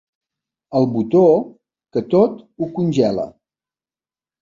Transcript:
El botó que tot ho congela.